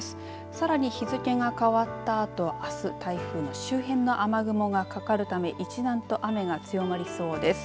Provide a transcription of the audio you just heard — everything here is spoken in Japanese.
さらに日付が変わったあとあす台風の周辺の雨雲がかかるため一段と雨が強まりそうです。